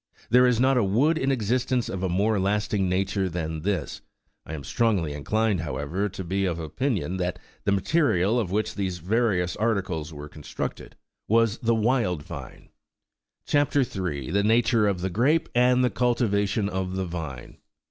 There is not a wood in existence of a more lasting nature than this ; I am strongly inclined, however, to be of opinion that the material of which these various articles were constructed was the wild vine. CHAP. 3. THE NATURE OF THE GEAPE, AND THE CULTIVATION OP THE VINE.